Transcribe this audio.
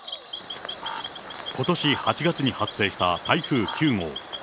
ことし８月に発生した台風９号。